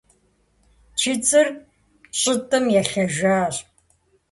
Чыцӏыр щӏытӏым елъэжащ.